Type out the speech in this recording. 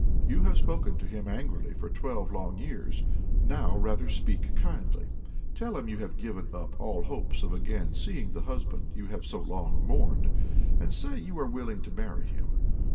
You have spoken to him angrily for twelve long years; now rather speak kindly. Tell him you have given up all hopes of again seeing the husband you have so long mourned, and say you are willing to marry him.